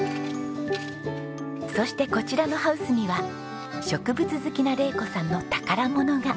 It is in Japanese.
そしてこちらのハウスには植物好きな玲子さんの宝物が。